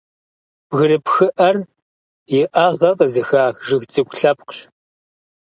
Бгырыпхиӏэр иӏэгӏэ къызыхах жыг цӏыкӏу лъэпкъщ.